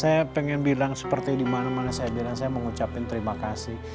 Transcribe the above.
saya pengen bilang seperti dimana mana saya bilang saya mengucapkan terima kasih